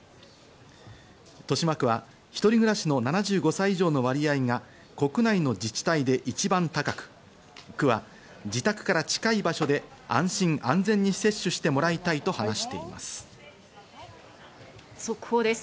豊島区は一人暮らしの７５歳以上の割合が国内の自治体で一番高く、区は自宅から近い場所で安心安全に接種してもらいたいと話してい速報です。